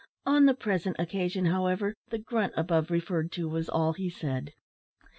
On the present occasion, however, the grunt above referred to was all he said.